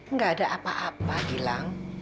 nggak ada apa apa gilang